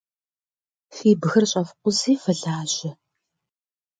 Фи бгыр щӏэфкъузи фылажьэ.